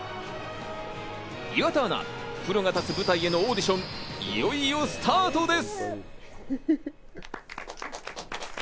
岩田アナ、プロが立つ舞台へのオーディション、いよいよスタートです。